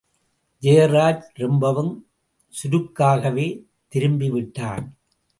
ஜெயராஜ் ரொம்பவும் சுருக்காகவே திரும்பிவிட்டான்.